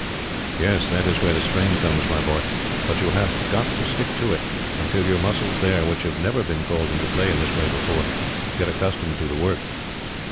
"Yes; that is where the strain comes, my boy. But you have got to stick to it, until your muscles there, which have never been called into play in this way before, get accustomed to the work."